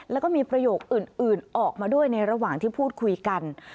แล้วก็มีประโยคอื่นออกมาด้วยในระหว่างที่พูดคุยกัน